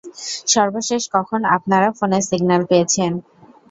সর্বশেষ কখন আপনারা ফোনে সিগন্যাল পেয়েছেন?